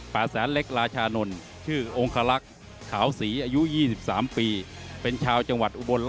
แปดแสนเล็กราชานนท์